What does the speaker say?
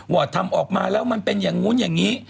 ว่าทำออกมาแล้วมันเป็นอย่างนู้นอย่างนี้